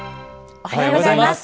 おはようございます。